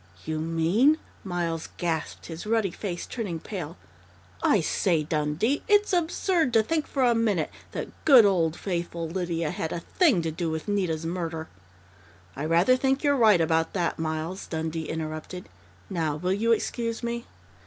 "You mean ?" Miles gasped, his ruddy face turning pale. "I say, Dundee, it's absurd to think for a minute that good old faithful Lydia had a thing to do with Nita's murder " "I rather think you're right about that, Miles," Dundee interrupted. "Now will you excuse me?"